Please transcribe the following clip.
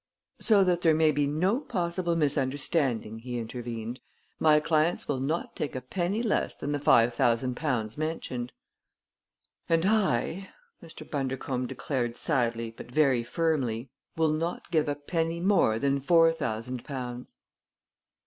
"So that there may be no possible misunderstanding," he intervened, "my clients will take not a penny less than the five thousand pounds mentioned." "And I," Mr. Bundercombe declared sadly but very firmly, "will not give a penny more than four thousand pounds."